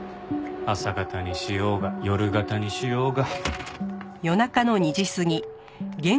朝型にしようが夜型にしようが。